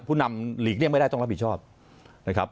ผู้นำหลีกเลี่ยงไม่ได้ต้องรับผิดชอบนะครับ